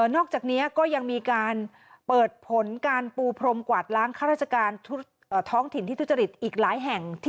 นอกจากนี้ก็ยังมีการเปิดผลการปูพรมกวาดล้านค่าราชการถ้องถิ่นที่ทุจริต